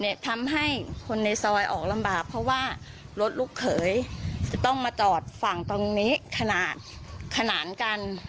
ทำให้คนในซอยออกลำบากเพราะว่ารถลูกเขยจะต้องมาจอดฝั่งตรงนี้ขนาดขนานกัน